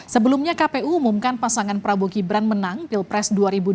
sebelumnya kpu umumkan pasangan prabowo gibran menang pilpres dua ribu dua puluh